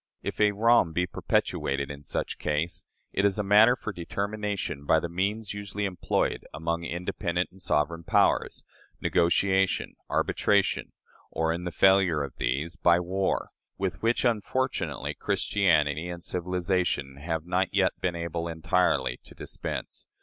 If a wrong be perpetrated, in such case, it is a matter for determination by the means usually employed among independent and sovereign powers negotiation, arbitration, or, in the failure of these, by war, with which, unfortunately, Christianity and civilization have not yet been able entirely to dispense.